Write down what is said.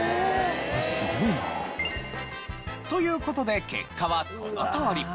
これすごいな。という事で結果はこのとおり。